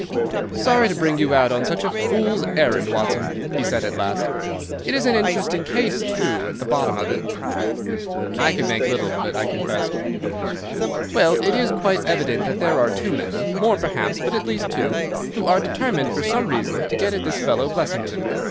"Sorry to bring you out on such a fool's errand, Watson," he said at last. "It is an interesting case, too, at the bottom of it." "I can make little of it," I confessed. "Well, it is quite evident that there are two men—more, perhaps, but at least two—who are determined for some reason to get at this fellow Blessington.